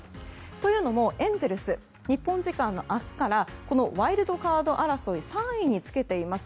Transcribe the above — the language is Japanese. というのも、エンゼルス日本時間の明日からこのワイルドカード争い３位につけています